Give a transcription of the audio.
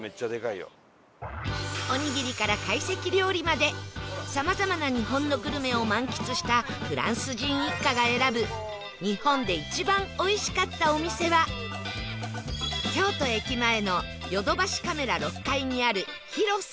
おにぎりから懐石料理までさまざまな日本のグルメを満喫したフランス人一家が選ぶ日本で一番おいしかったお店は京都駅前のヨドバシカメラ６階にある ＨＩＲＯ さん